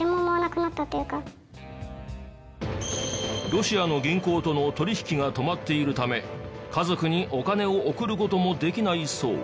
ロシアの銀行との取引が止まっているため家族にお金を送る事もできないそう。